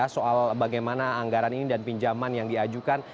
soal bagaimana anggaran ini dan pinjaman yang diajukan